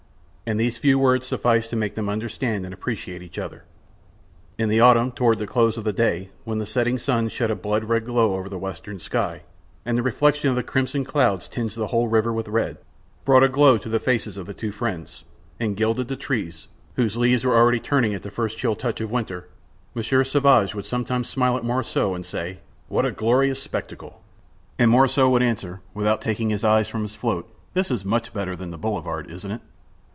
And these few words sufficed to make them understand and appreciate each other. In the autumn, toward the close of day, when the setting sun shed a blood red glow over the western sky, and the reflection of the crimson clouds tinged the whole river with red, brought a glow to the faces of the two friends, and gilded the trees, whose leaves were already turning at the first chill touch of winter, Monsieur Sauvage would sometimes smile at Morissot, and say: "What a glorious spectacle!" And Morissot would answer, without taking his eyes from his float: "This is much better than the boulevard, isn't it?"